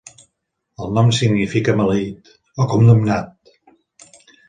El nom significa "maleït" o "condemnat".